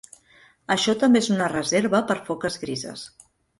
Això també és una reserva per foques grises.